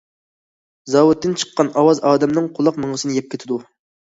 زاۋۇتتىن چىققان ئاۋاز ئادەمنىڭ قۇلاق- مېڭىسىنى يەپ كېتىدۇ.